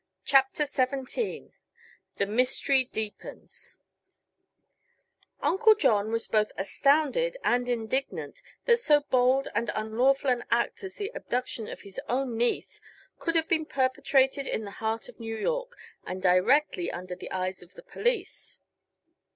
CHAPTER XVII THE MYSTERY DEEPENS Uncle John was both astounded and indignant that so bold and unlawful an act as the abduction of his own niece could have been perpetrated in the heart of New York and directly under the eyes of the police.